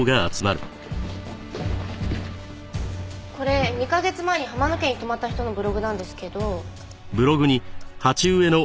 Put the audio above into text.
これ２カ月前に浜野家に泊まった人のブログなんですけど。